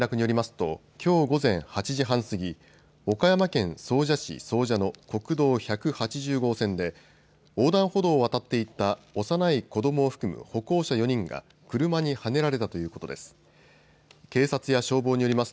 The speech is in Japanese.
ときょう午前８時半過ぎ、岡山県総社市総社の国道１８０号線で横断歩道を渡っていた幼い子どもを含む歩行者４人が車にはねられたということです。